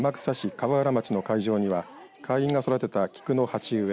河浦町の会場には会員が育てた菊の鉢植え